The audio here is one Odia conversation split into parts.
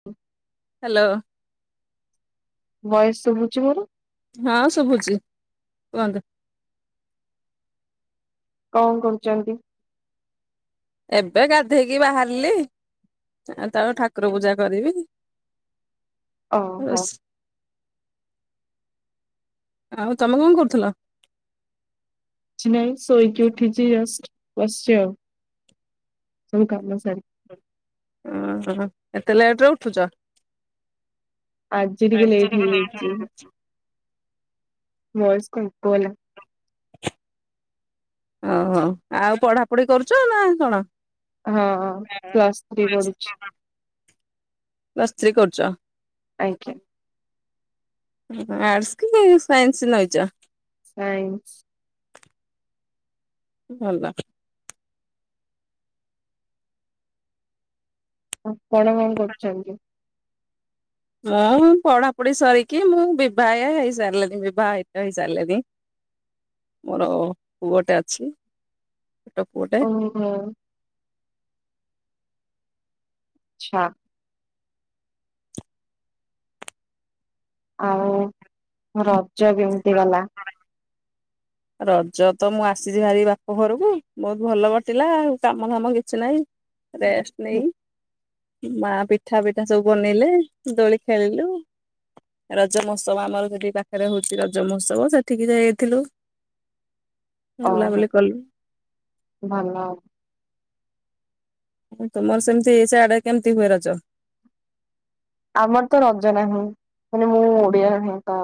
[inaudible] ହାଲୋ। ଭଏସ ଶୁଭୁଛି ମୋର। ହଁ ଶୁଭୁଛି କୁହନ୍ତୁ। କଣ କରୁଛନ୍ତି? ଏବେ ଗାଧେଇକି ବାହାରିଲି ଆଉ ତାପରେ ଠାକୁର ପୂଜା କରିବି। ଓହୋ [unintelligible] ଆଉ ତମେ କଣ କରୁଥିଲ? କି ନାଇଁ ଶୋଇକି ଉଠିଛି ଜଷ୍ଟ ଆଉ ବସିଛି ସବୁ କାମ ସାରିକି। ଓହୋ ଏତେ ଲେଟରେ ଉଠୁଛ। ଆଜି ଟିକେ ଲେଟ୍ ହେଇଯାଇଛି, [inaudible] ଓହୋ ଆଉ ପଢାପଢି କରୁଛ ନା କଣ? ହଁ ପ୍ଲସ ଥ୍ରୀ ପଢୁଛି। ପ୍ଲସ ଥ୍ରୀ କରୁଚ। ଆଜ୍ଞା ଆର୍ଟସ୍ କି ସାଇନ୍ସ ନେଇଚ। ସାଇନ୍ସ। ଭଲ। କଣ କଣ କରୁଛନ୍ତି? ମୁଁ ପଢାପଢି ସରିକି ମୁଁ ବିଭାୟା ହେଇସାରିଲିନି ବିବାହିତ ହେଇସାରିଲିନି। [inaudible] ମୋର ପୁଅଟେ ଅଛି। ଛୋଟ ପୁଅଟେ ଓହୋ। ଆଚ୍ଛା। ଆଉ। ରଜ ବି [inaudible] ରଜ ତ ମୁଁ ଆସିଛି ଭାରି ବାପ ଘରକୁ। ବହୁତ ଭଲ କଟିଲା ଆଉ କାମ ଧାମ କିଛି ନାହିଁ। ରେଷ୍ଟ ନେଇ ମା ପିଠା ପିଠା ସବୁ ବନେଇଲେ ଦୋଳି ଖେଳିଲୁ। ରଜ ମହୋତ୍ସବ ଆମର ସେଠି ପାଖରେ ହଉଛି ର ଜ ମହୋତ୍ସବ ସେଠିକି ଯାଇଥିଲୁ। ଓହୋ ବୁଲାବୁଲି କଲୁ। ଭଲ। ତୁମର ସେମିତି ସିଆଡେ କେମିତି ହୁଏ ରଜ? ଆମର ତ ରଜ ନାହିଁ। ମାନେ ମୁଁ ଓଡିଆ ନୁହେଁ ତ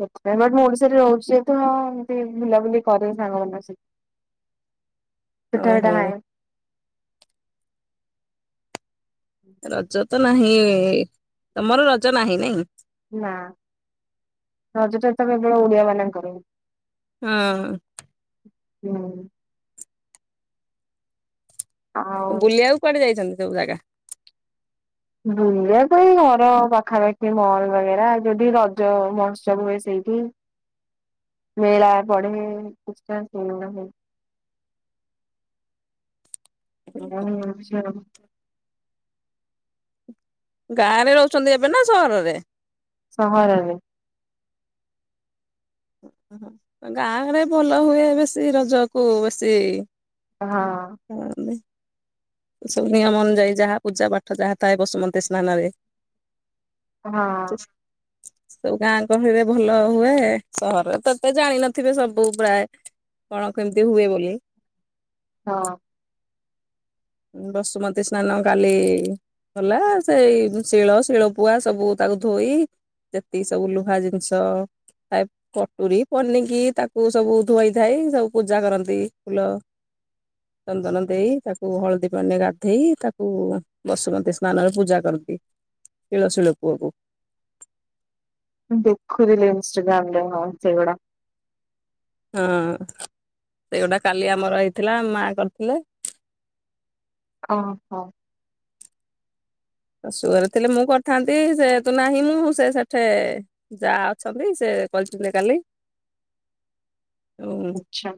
ସେଥିପାଇଁ। ବଟ୍ ମୁଁ ଓଡିଶାରେ ରହୁଛି ଯେହେତୁ ହଁ ଏମିତି ବୁଲାବୁଲି କରେ ସାଙ୍ଗମାନଙ୍କ ସହିତ। ପିଠା ଓହୋ ପିଠା ହୁଏ। ରଜ ତ ନାହିଁ, ତମର ରଜ ନାହିଁ ନାଇଁ? ନା ରଜଟା ତ କେବଳ ଓଡିଆ ମାନଙ୍କର। ହଁ। ହୁଁ। ଆଉ ବୁଲିବାକୁ କୁଆଡେ ଯାଇଛନ୍ତି ସବୁ ଜାଗା? ବୁଲିବା ପାଇଁ ଘର ପାଖାପାଖି ମଲ ବଗେରା, ଯଦି ରଜ ମହତ୍ସବ ହୁଏ ସେଇଠି। ମେଳା ପଡେ [unintelligible] [inaudible] ଗାଁ ରେ ରହୁଛନ୍ତି ଏବେ ନା ସହରରେ? ସହରରେ। ଗାଁରେ ଭଲ ହୁଏ ବେଶୀ ରଜ କୁ ବେଶୀ ହଁ। [inaudible] ସବୁ ନିୟମ ଅନୁଯାୟୀ ଯାହା ପୂଜା ପାଠ ଯାହା ଥାଏ ବସୁମନ୍ତୀ ସ୍ନାନ ରେ। ହଁ। ସବୁ ଗାଁ ଗହଲଳି ରେ ଭଲ ହୁଏ। ସହରରେ ତ ଏତେ ଜାଣିନଥିବେ ସବୁ ପ୍ରାୟ! କଣ କେମିତି ହୁଏ ବୋଲି। ହଁ। ବସୁମତୀ ସ୍ନାନ କାଲି ଗଲା। ସେଇ ଶିଳ ଶିଳ ପୁଆ ସବୁ ତାକୁ ଧୋଇ ଯେତିକି ସବୁ ଲୁହା ଜିନିଷ [inaudible] କଟୁରୀ, ପନିକି ତାକୁ ସବୁ ଧୋଇ ଧାଇ ସବୁ ପୂଜା କରନ୍ତି ଫୁଲ ଚନ୍ଦନ ଦେଇ। ତା କୁ ହଳଦୀ ପାଣି ରେ ଗାଧେଇ ତାକୁ ବସୁମତୀ ସ୍ନାନରେ ପୂଜା କରିଦିଏ। ଶିଳ ଶିଳ ପୁଆକୁ। ଦେଖୁଥିଲ ଇନଷ୍ଟାଗ୍ରାମ୍ ରେ ହଁ ସେଇଗୁଡା। ହଁ ସେଇଗୋଟା କାଲି ଆମର ହେଇଥିଲା ମା କରିଥିଲେ। ଓହୋ। ଶାଶୁ ଘରେ ଥିଲେ ମୁଁ କରିଥାନ୍ତି। ଯେହେତୁ ନାହିଁ ମୁଁ ସେ ସେଠେ ଯାଆ ଅଛନ୍ତି ସେ କହିଛନ୍ତି କାଲି। ତେଣୁ ଆଚ୍ଛା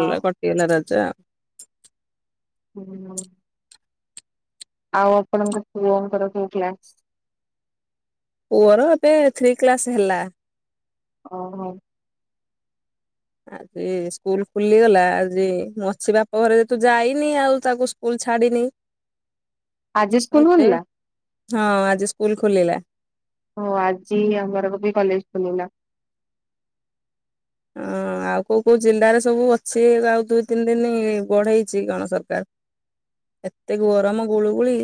ଆଉ କଟିଗଲା ରାଜ। [unintelligible] ଆଉ ଆପଣଙ୍କ ପୁଅଙ୍କର କୋଉ କ୍ଲା ପୁଅର ଏବେ ଥ୍ରୀ କ୍ଲାସ ହେଲା। ଓହୋ। ଆଜି ସ୍କୁଲ ଖୁଲିଗଲା ଆଜି ମୁଁ ଅଛି ବାପ ଘରେ ଯେ ତୁ ଯାଇନି ଆଉ ତାକୁ ସ୍କୁଲ ଛାଡ଼ିିନି [inaudible] ସ୍କୁଲ ବେ ଖୋଲିଲା ହଁ ଆଜି ସ୍କୁଲ ଖୋଲିଲା। ହ ଆଜି ଆମର କ ବି କଲେଜ ଖୋଲିଲା। ହଁ। ଆଉ କୋଉ କୋଉ ଜିଲ୍ଲାରେ ସବୁ ଅଛି ଆଉ ଦୁଇ ତିନି ଦିନ ବଢେଇଛି କଣ ସରକାର। ଏତେ ଗରମ ଗୁଳୁ ଗୁଳି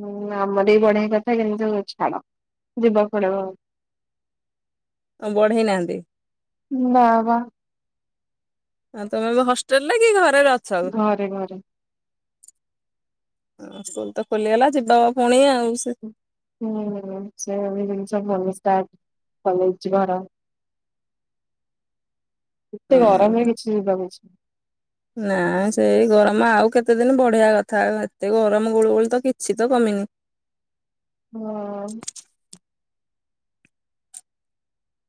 ହୁଁ ଆମର ବି ବଢିଆ କଥା କିନ୍ତୁ ଛାଡ ଯିବାକୁ ପଡିବ ଆଉ। [inaudible] କଣ ବଢେଇ ନାହାନ୍ତି? ନା ବା ଆ ତମେ ହଷ୍ଟେଲରେ କି ଘରେରେ ଅଛ? ଘରେ ଘରେ ହଁ ସ୍କୁଲ ତ ଖୋଲିଗଲା ଯିବା ପୁଣି ଆଉ। ହୁଁ ସେ ଜିନିଷ [unintelligible] କଲେଜ ଯିବାର। ଏତେ ଗରମରେ କିଛି ଯିବାକୁଛି ନା ସେଇ ଗରମ ଆଉ କେତେ ଦିନ ବଢିଆ କଥା ଏତେ ଗରମ ଗୁଳଗୁଳିତ କିଛି ତ କମିନି। ହଁ।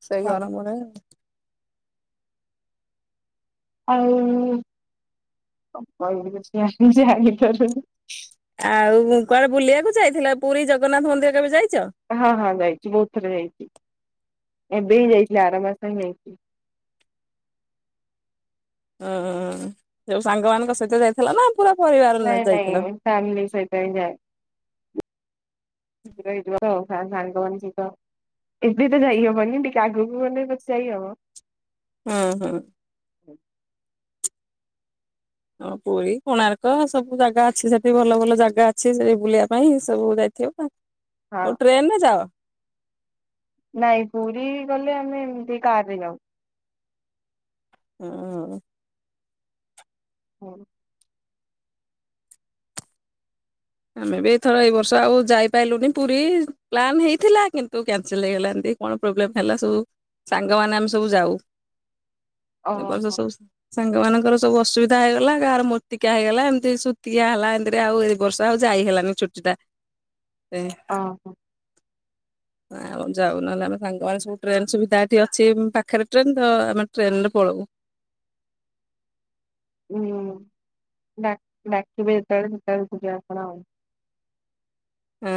ସେଇ ଛାଡ ଗରମରେ ଆଉ କିଛି ଜଣିଛି ଆଣିଥାରୁ ଆଉ କୁଆଡେ ବୁଲିବାକୁ ଯାଇଥିଲା ପୁରୀ ଜଗନ୍ନାଥ ମନ୍ଦିର କେବେ ଯାଇଛ? ହଁ ହଁ ଯାଇଛି ବହୁତ ଥରେ ଯାଇଛି ଏବେ ହିଁ ଯାଇଥିଲି ଆରାମସ ହିଁ ଯାଇଛି। ହଁ ଯୋଉ ସାଙ୍ଗମାନାନଙ୍କ ସହିତ ଯାଇଥିଲା ନା। ପୁରା ପରିବାର। ନାଇଁ ନାଇଁ ଯାଇଥିଲ? ଫ୍ୟାମିଲି ସହିତ ହ ଯାଏ। ସାଙ୍ଗମାନେ ସହିତ ଏବେ ତ ଯାଇହବନି ଟିକେ ଆଗକୁ ମାନ ବ ଯାଇହବ। ହଁ ହଁ [inaudible] ହଁ ପୁରୀ କୋଣାର୍କ ସବୁ ଜାଗା ଅଛି ସେଠି ଭଲ ଭଲ ଜାଗା ଅଛି ସେଠି ବୁଲିବା ପାଇଁ ସବୁ ଯାଇଥିବ। [unintelligible] ଟ୍ରେନରେ ଯାଅ? ନାଇଁ ପୁରୀ ଗଲେ ଆମେ ଏମିତି କାର ରେ ଯାଉ। [inaudible] [inaudible] ଆମେ ବିଥର ଏଇ ବର୍ଷ ଆଉ ଯାଇପାରିଲୁନି ପୁରୀ ପ୍ଲାନ ହେଇଥିଲା କିନ୍ତୁ କ୍ୟାନସଲ ହେଇଗଲାଣି କଣ ପ୍ରୋବ୍ଲେମ ହେଲା ସବୁ ସାଙ୍ଗମାନୋନ ଆମେ ସବୁ ଯାଉ ଏର୍ଷ ଓହୋ ସବୁ। ସାଙ୍ଗ ମମାନଙ୍କ ସବୁ ଅସୁବିଧା ହେଇଗଲା ଗାହାର ମର୍ତିକା ହେଇଗଲା ଏମିତି ଶତିକଆ ହେଲା ଏମିତିରେ ଆଉ ଏ ବର୍ଷ ଆଉ ଯାଇ ହେଲାନି ଛୁଟି ଟା [inaudible] ଆଉ ଯାଉ ନହେଲେ ଆମେ ସାଙ୍ଗମାନେ ସବୁ ଟ୍ରେନ ସୁବିଧା ଏଠି ଅଛି ପାଖରେ ଟ୍ରେନ ତ ଆମେ ଟ୍ରେନ ରେ ପଳଉ। ହୁଁ ଡାକିବେ ଯେତେବେଳେ ସେତେବେଳେ ପ ଯ ଆସଣ ଆଉ। ହଁ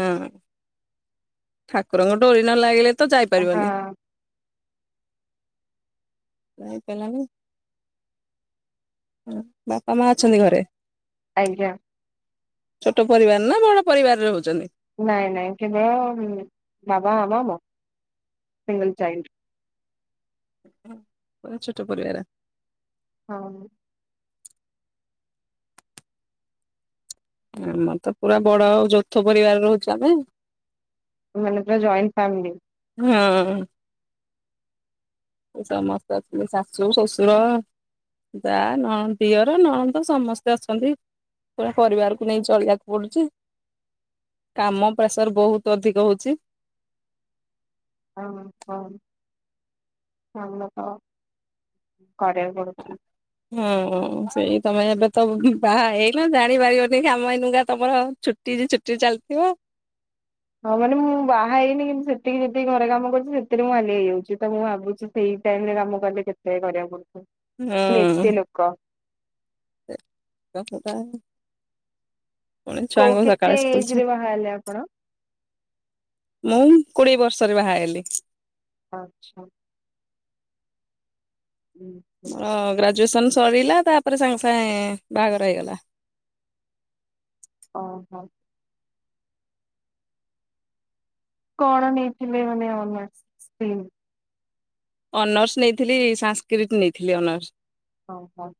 ଠାକୁରଙ୍କ ଡୋରି ନ ଲାଗିଲେ ତ ଯାଇପାରିବନି। ହଁ ଯପିଲାନି ବାପା ମା ଅଛନ୍ତି ଘରେ। ଆଜ୍ଞା। ଛୋଟ ପରିବାର ନା ବଡ ପରିବାର ରହୁଛନ୍ତି। ନାଇଁ ନାଇଁ କେବଳ ବାବା ଆାମ ମୋ ସିଙ୍ଗଲ ଚାଇଲ୍ଡ। ପୁର ଛୋଟ ପରିବାର। ହଁ। ଆମର ତ ପୁରା ବଡ ଆଉ ଯୌଥ ପରିବାର ରହୁଛୁ ଆମେ। ମାନେ ପୁରା ଜଏଣ୍ଟ ଫ୍ୟାମିଲି। ହୁଁ। ସମସ୍ତେ ଅଛନ୍ତି ଶାଶୁ ଶ୍ୱଶୁର। ଯାଆ ନ ଦିଅର ନଣନ୍ଦ ସମସ୍ତେ ଅଛନ୍ତି। ପୁରା ପରିବାରକୁ ନେଇ ଚଳିବାକୁ ପଡୁଚି। କାମ ପ୍ରେସର ବହୁତ ଅଧିକ ହଉଚି। ହଁ ହଁ ଆମେ ତ କରିଆକୁ ପଡୁଚି। ହଁ ହ ସେଇ ତମେ ଏବେ ତ ବାହା ହେଇନା ଜାଣିପାରିବନି କାମ ଏଇନାତମର ଛୁଟି ଯେଛୁ ସିଏ ଚାଲିଥିବ ହଁ ମାନେ ମୁଁ ବାହା ହେଇନି କିନ୍ତୁ ସେତିକି ଯେତିକି ଘରେ କାମ କରୁଛି ସେଥିରେ ମୁଁ ହାଲିଆ ହେଇଯାଉଚିତ ମୁଁ ଭାବୁଛି ସେଇ ଟାଇମରେ କାମ କଲେ କେତେ କରିବାକୁ ପଡୁଚି ଏତେ ଲୋକ। କ [unintelligible] ମୁଁ କଇଲି କୋଉ ଛୁଆଙ୍କୁ କେତେ ସକାଳେ ଏଜ ସ୍କୁଲ ରେ ଛା ବାହା ହେଲେ ଆପଣ? ମୁଁ କୋଡିଏ ବର୍ଷରେ ବାହା ହେଲି। ଆଚ୍ଛା। ଗ୍ରାଜୁଏସନ ସରିଲା ତାପରେ ସାଙ୍ଗେ ସାଙ୍ଗେ ବାହାଘର ହେଇଗଲା। ଅ, ହୋ। କଣ ନେଇଥିଲେ ଏମାନେ ଆମ ଘରକୁ ପ୍ସିନ୍। ଅନର୍ସ ନେଇଥିଲି ସାଂସ୍କିଟ୍ ନେଇଥିଲି ଅନର୍ସ। ହଉ ହଉ।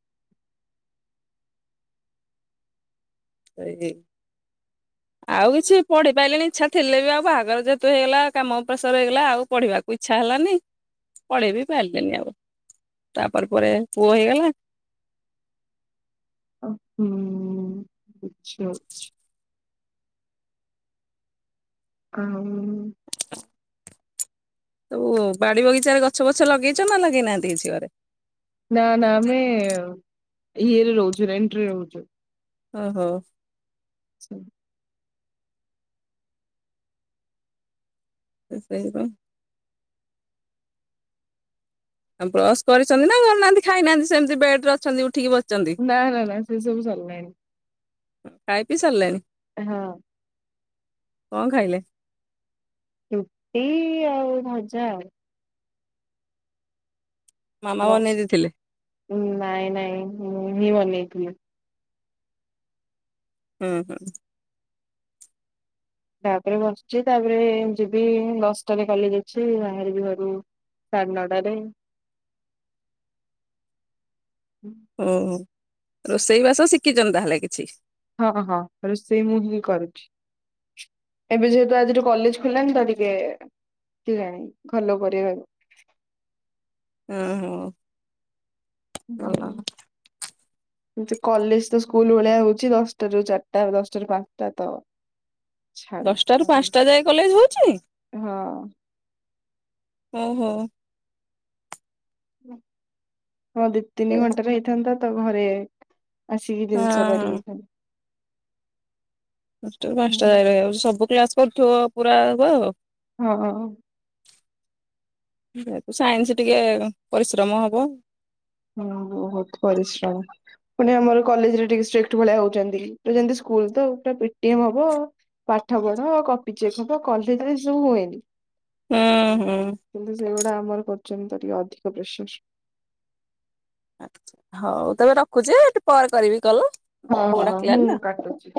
ଏଇଯେ [inaudible] ଆଉ କିଛି ପଢି ପାଇଲେନିଇଚ୍ଛା ଥିଲେ ବି ଆଉ ବାହାଘର ଯେହେତୁ ହେଇଗଲା କାମ ପ୍ରେସର ହେଇଗଲା ଆଉ ପଢିବାକୁ। ଇଛା ହେଲାନି ପଢେଇ ବି ପାରିଲେନି ଆଉ ତାପରେ ପରେ ପୁଅ ହେଇଗଲା। ଅ ଉଁ ଉଁ ଉଁ କିଛି ଅଛି। କାଉ। ସବୁ ବାଡି ବଗିଚାରେ ଗଛ ବଛ ଲଗେଇଚ଼ ନା ଲଗେଇନାହାନ୍ତି କିଛି ଘରେ? ନା ନା ଆମେ ଇଏରେ ରହୁଚୁ ରେଣ୍ଟରେ ରହୁଚୁ। ଓହୋ। ଛବ୍। ଏ ସେଇପା। ଆଉ ବ୍ରସ୍ କରିଚ଼ନ୍ତି ନା କରିନାହାନ୍ତି ଖାଇନାହାନ୍ତି ସେମିତି ବେଡ ରେ ଅଛନ୍ତି ଉଠିକି ବସି ନା ନା ନା ସେ ସବୁ ସଲିଲାଣିି। ଖାଇ ପିଇ ସାରିଲେଣି? ହଁ। କଅ ଖାଇଲେ? ରୁଟି ଆଉ ଭଜା ଆଉ ମାମା ବନେଇ ଦେଇଥିଲେ? ହଁ ନାଇଁ ନାଇଁ ମୁଁ ବି ବନେଇଥିଲି। ହଁ ହଁ। ତାପରେ ବସିଚି ତାପରେ ଯିବି ଦଶଟାରେ କଲେଜ ଅଛି ବାହାରିବି ଘରୁ। ସାଢ଼େ ନଟାରେ। ଓ ରୋଷେଇ ବାସ ଶିଖିଚନ୍ତି ତାହେଲେ କିଛି ହଁ ହଁ ରୋଷେଇ ମୁଁ ହିଁ କରୁଚି। ଏବେ ଯେହେତୁ ଆଜିଠୁ କଲେଜ ଖୋଲିଲାନି ତ ଟିକେ କେଜାଣି ଫୋଲୋ କରିବେ ଅ ହୋ। ହୁଁ ହୁଁ। କଲେଜ ତ ସ୍କୁଲ ଭଳିଆ ହଉଚି ଦଶଟା ରୁ ଚାରିଟା ଦଶଟାରୁ ପାଞ୍ଚଟା ତ। ଛାଡ ଦଶଟାରୁ କଣ କରିବି ପାଞ୍ଚଟା ଯାଏ କଲେଜ ହଉଚିି ହଁ। ଓହୋ। ହଁ ଦି ତିନି ହଁ ଘଣ୍ଟା ରେ ହେଇଥାନ୍ତା ତ ଘରେ ଆସିକି ଜିନିଷ କରି ହଁ। ହେଇଥାନ୍ତି। ଦଶଟା ରୁ ପାଞ୍ଚଟା ହୁଁ। ଯାଗେ ହେଇଯାଉଚି ସବୁ କ୍ଲାସ୍ କରୁଥୁବ ପୁରା ଗୋ। ହଁ। ଯେହେତୁ ସାଇନ୍ସି ଟିକେ ପରିଶ୍ରମ ହବ। ହଁ ବୋହୁତ ପରିଶ୍ରମ। ପୁଣି ଆମର କଲେଜରେ ଟିକେ ଷ୍ଟ୍ରିକ୍ଟ୍ ଭଳିଆ ହଉଚନ୍ଦି ପୁରା ଯେନ୍ତି ସ୍କୁଲ ତ ଆଉ ପୁରା ପି ଟି ଏମ୍ ହବ। ପାଠ ପଢ କପି ଚେକ୍ ହବ କଲେଜରେ ଏସବୁ ହୁଏନି। ହୁଁ ହୁଁ। କିନ୍ତୁ ସେଇଗୁଡା ଆମର କରୁଚନ୍ତି ତ ଟିକେ ଅଧିକ ପ୍ରେସର୍। ଆକ୍ଚ୍ ହଉ ତେବେ ରଖୁଚି ଟିକ୍ ପରେ କରିବି କଲ୍। ହଉ ହଉ ହୁଁ କାଟୁଚି।